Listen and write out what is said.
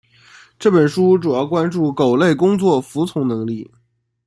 这本书主要关注狗类工作服从能力。